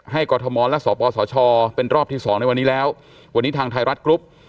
กรทมและสปสชเป็นรอบที่สองในวันนี้แล้ววันนี้ทางไทยรัฐกรุ๊ป